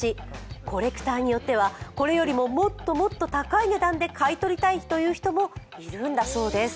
コレクターによってはこれよりももっともっと高い値段で買い取りたいという人もいるんだそうです。